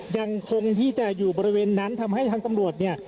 ยังคงที่จะอยู่บริเวณนั้นทำให้ทางตำรวจเนี่ย